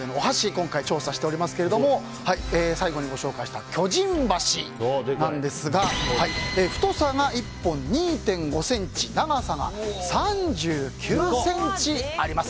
今回調査しておりますけども最後にご紹介した巨人箸なんですが太さが１本２．５ｃｍ長さが３９ｃｍあります。